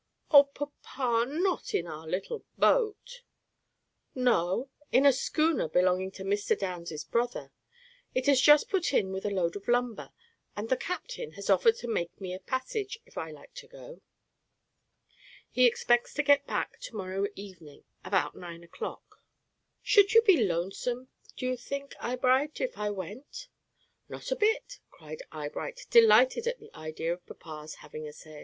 "Oh, papa, not in our little boat!" "No, in a schooner belonging to Mr. Downs's brother. It has just put in with a load of lumber, and the captain has offered me a passage if I like to go. He expects to get back to morrow evening about nine o'clock. Should you be lonesome, do you think, Eyebright, if I went?" "Not a bit," cried Eyebright, delighted at the idea of papa's having a sail.